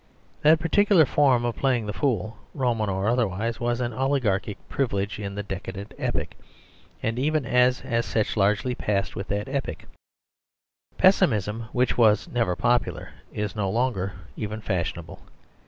That particular form of play ing the fool, Roman or otherwise, was an oli garchic privilege in the decadent epoch ; and even as such has largely passed with that The Superstition of Divorce 85 epoch. Pessimism, which was never popular, is no longer even fashionable.